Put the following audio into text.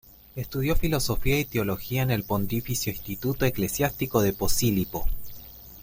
Estudió filosofía y teología en el Pontificio Instituto Eclesiástico de Posillipo.